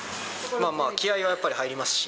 まあまあ、気合いはやっぱり入りますし。